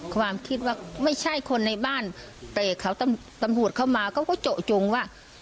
ความคิดว่าไม่ใช่คนในบ้านแต่เขาตำรวจเข้ามาเขาก็เจาะจงว่า